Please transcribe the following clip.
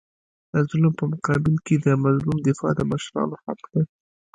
د ظالم په مقابل کي د مظلوم دفاع د مشرانو حق دی.